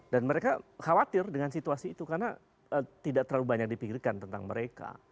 dan mereka khawatir dengan situasi itu karena tidak terlalu banyak dipikirkan tentang mereka